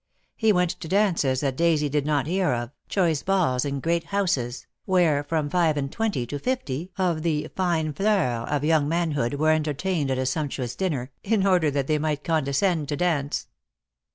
He went to dances that Daisy did not hear of, choice balls in great houses, where from five and twenty to fifty of the fine fleur of young manhood were entertained at a sumptuous dinner in order that they might condescend to dance.